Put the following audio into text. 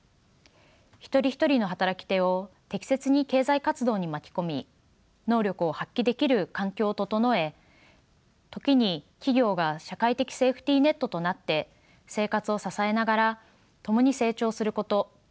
一人一人の働き手を適切に経済活動に巻き込み能力を発揮できる環境を整え時に企業が社会的セーフティーネットとなって生活を支えながら共に成長すること。